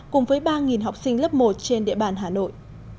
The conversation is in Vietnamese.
cùng với ba học sinh lớp một trên địa bàn hà nội